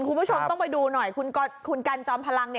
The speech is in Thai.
คุณผู้ชมต้องไปดูหน่อยคุณกันจอมพลัง